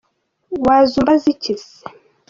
wazumbaziki c